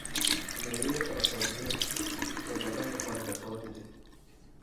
ميوې او سبزي د بدن لپاره ګټورې دي.